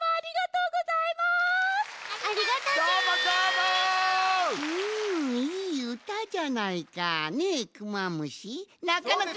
うんいいうたじゃないか！